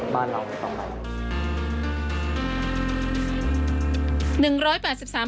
กลับไปพัฒนาวงการวิทยาศาลในบ้านเรา